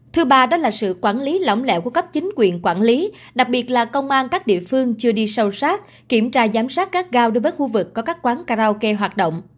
thứ ba đó là sự quản lý lỏng lẻo của cấp chính quyền quản lý đặc biệt là công an các địa phương chưa đi sâu sát kiểm tra giám sát các gao đối với khu vực có các quán karaoke hoạt động